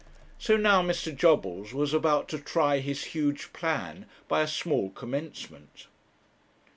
So now Mr. Jobbles was about to try his huge plan by a small commencement.